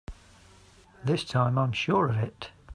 This time I'm sure of it!